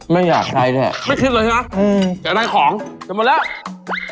ไม่อยากใช้ไม่คิดเลยนะจะได้ของจะหมดแล้ว